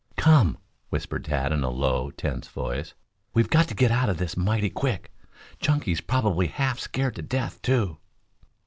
"Come!" whispered Tad in a low, tense voice. "We've got to get out of this mighty quick! Chunky's probably half scared to death, too."